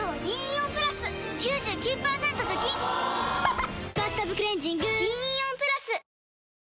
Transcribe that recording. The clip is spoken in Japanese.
・おぉ「バスタブクレンジング」銀イオンプラス！